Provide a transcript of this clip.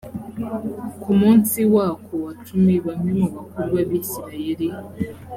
ku munsi wako wa cumi bamwe mu bakuru b abisirayeli